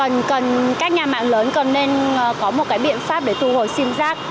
nhưng các nhà mạng lớn cần nên có một biện pháp để thu hồi sim giác